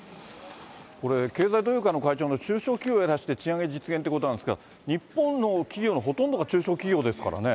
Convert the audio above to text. これ、経済同友会の会長の中小企業を減らして、賃上げ実現ということなんですけれども、日本の企業のほとんどが中小企業ですからね。